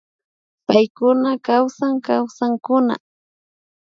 Paykuna kawsan Kawsankuna